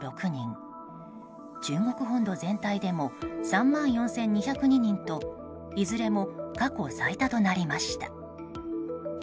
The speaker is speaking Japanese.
中国本土全体でも３万４２０２人といずれも過去最多となりました。